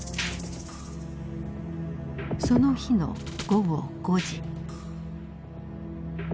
その日の午後５時。